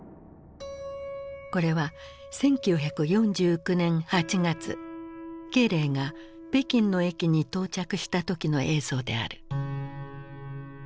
これは１９４９年８月慶齢が北京の駅に到着した時の映像である。